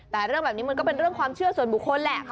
แต่เรื่องแบบนี้มันก็เป็นเรื่องความเชื่อส่วนบุคคลแหละ